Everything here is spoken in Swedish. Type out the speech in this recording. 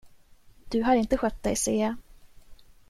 Du har inte skött dig, ser jag.